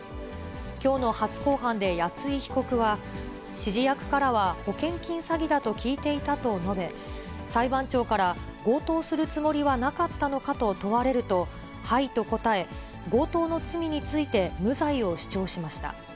きょうの初公判で谷井被告は、指示役からは保険金詐欺だと聞いていたと述べ、裁判長から強盗するつもりはなかったのかと問われると、はいと答え、強盗の罪について無罪を主張しました。